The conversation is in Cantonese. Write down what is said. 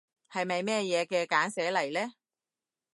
係咪咩嘢嘅簡寫嚟呢？